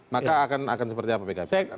maka akan seperti apa pkb akan